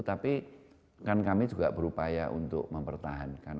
tapi kan kami juga berupaya untuk mempertahankan